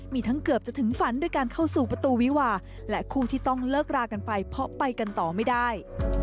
มีทั้งเกือบจะถึงฝันด้วยการเข้าสู่ประตูวิวาและคู่ที่ต้องเลิกรากันไปเพราะไปกันต่อไม่ได้